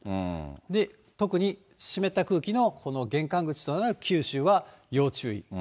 で、特に湿った空気のこの玄関口となる九州は要注意。